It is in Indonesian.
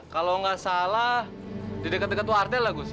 kalau gak salah di dekat dekat tuartel lah gus